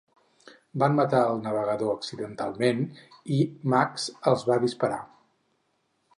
Van matar el navegador accidentalment i Max els va disparar.